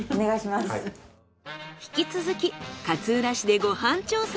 引き続き勝浦市でご飯調査。